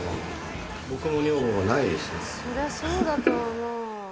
そりゃそうだと思う。